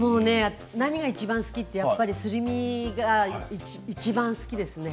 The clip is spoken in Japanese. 何がいちばん好きってすり身がいちばん好きです。